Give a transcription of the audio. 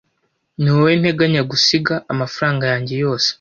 Niwowe nteganya gusiga amafaranga yanjye yose.